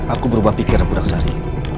aku berubah pikir budak sari